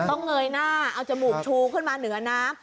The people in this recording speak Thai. เงยหน้าเอาจมูกชูขึ้นมาเหนือน้ำ